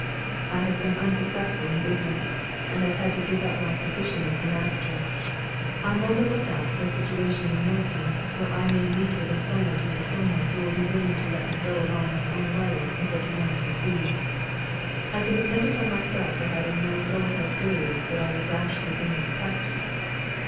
"I have been unsuccessful in business, and have had to give up my position as a master. I am on the look out for a situation in Milton, where I may meet with employment under some one who will be willing to let me go along my own way in such matters as these. I can depend upon myself for having no go ahead theories that I would rashly bring into practice.